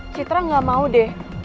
citra nggak mau deh